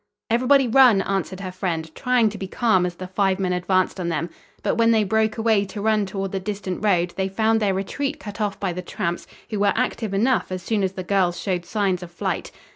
"Everybody run," answered her friend, trying to be calm as the five men advanced on them. But when they broke away to run toward the distant road they found their retreat cut off by the tramps, who were active enough as soon as the girls showed signs of flight.